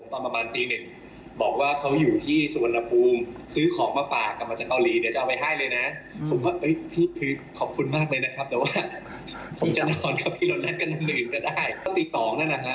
ตอนที่เรานั้นก็น้ำหนึ่งก็ได้ตีสองแล้วนะฮะ